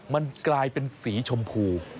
มันกลายเป็นสีชมพู